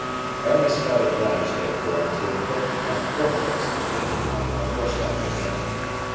Aramis felt obliged, therefore, to inflict upon Porthos the pain of mounting on horseback again.